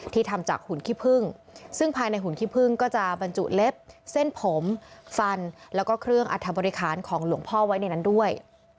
ทำจากหุ่นขี้พึ่งซึ่งภายในหุ่นขี้พึ่งก็จะบรรจุเล็บเส้นผมฟันแล้วก็เครื่องอัธบริคารของหลวงพ่อไว้ในนั้นด้วย